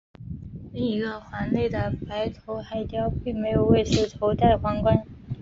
另一个环内的白头海雕并没有为此头戴皇冠。